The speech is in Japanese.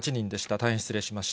大変失礼しました。